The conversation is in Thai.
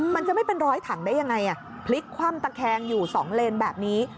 มันจะไม่เป็นร้อยถังได้ยังไงพลิกคว่ำตะแคงอยู่๒เลนแบบนี้